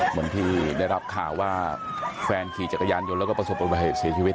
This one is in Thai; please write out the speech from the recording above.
เหมือนที่ได้รับข่าวว่าแฟนขี่จักรยานยนต์แล้วก็ประสบอุบัติเหตุเสียชีวิต